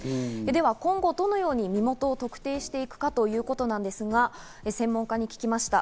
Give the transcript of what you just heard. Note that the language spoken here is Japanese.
では今後どのように身元を特定していくかということなんですが、専門家に聞きました。